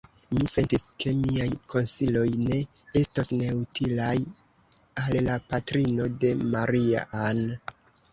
Mi sentis, ke miaj konsiloj ne estos neutilaj al la patrino de Maria-Ann.